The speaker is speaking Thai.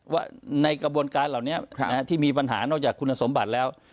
ว่าในกระบวนการเหล่านี้ที่มีปัญหานอกจากคุณสมบัติแล้ว